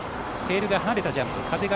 テールが離れたジャンプ。